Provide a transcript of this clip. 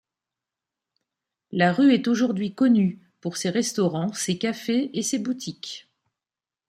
La rue est aujourd'hui connue pour ses restaurants, ses cafés et ses boutiques.